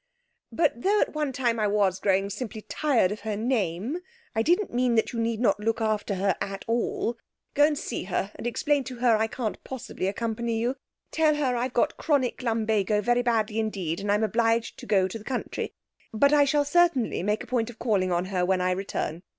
'But, though at one time I was growing simply tired of her name, I didn't mean that you need not look after her at all. Go and see her, and explain to her I can't possibly accompany you. Tell her I've got chronic lumbago very badly indeed, and I'm obliged to go to the country, but I shall certainly make a point of calling on her when I return.